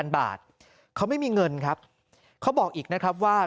บาทเขาไม่มีเงินครับเขาบอกอีกนะครับว่า